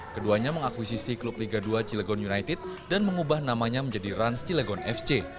keduanya mengakuisisi klub liga dua cilegon united dan mengubah namanya menjadi rans cilegon fc